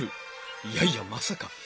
いやいやまさか。